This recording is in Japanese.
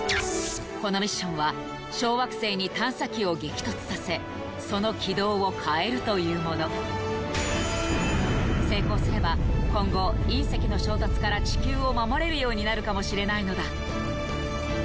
このミッションは小惑星に探査機を激突させその軌道を変えるというもの成功すれば今後隕石の衝突から地球を守れるようになるかもしれないのだ